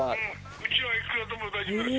うちはいくらでも大丈夫です